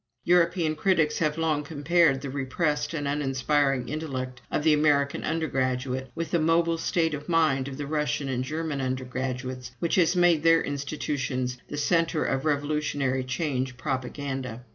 European critics have long compared the repressed and uninspiring intellect of the American undergraduate with the mobile state of mind of the Russian and German undergraduates which has made their institutions the centre of revolutionary change propaganda.